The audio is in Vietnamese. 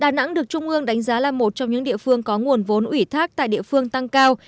đà nẵng được trung ương đánh giá là một trong những địa phương có nguồn vốn ủy thác tại địa phương tăng cao